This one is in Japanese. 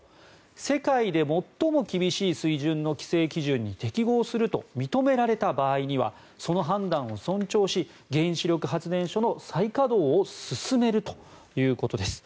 世界で最も厳しい水準の規制基準に適合すると認められた場合にはその判断を尊重し原子力発電所の再稼働を進めるということです。